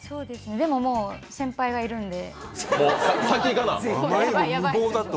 でももう、先輩がいるんで。